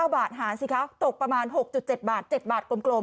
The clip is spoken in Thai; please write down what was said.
บาทหาสิคะตกประมาณ๖๗บาท๗บาทกลม